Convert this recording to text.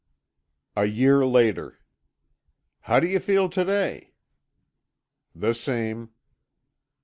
A year later. "How do you feel to day?" "The same."